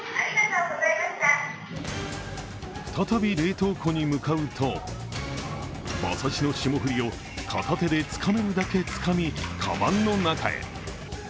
再び冷凍庫に向かうと馬刺しの霜降りを片手でつかめるだけつかみかばんの中へ。